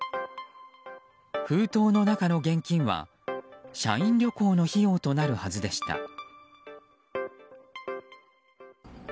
封筒の中の現金は社員旅行の費用となるはずでした。